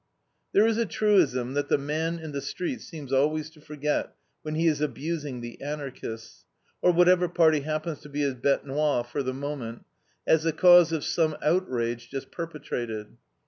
"There is a truism that the man in the street seems always to forget, when he is abusing the Anarchists, or whatever party happens to be his BETE NOIRE for the moment, as the cause of some outrage just perpetrated.